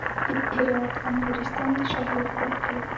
د هرات انګورستان د شاهرخ باغ دی